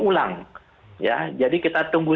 ulang jadi kita tunggu